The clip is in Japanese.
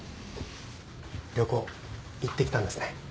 旅行行ってきたんですね。